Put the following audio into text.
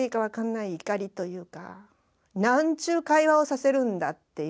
何ちゅう会話をさせるんだっていう。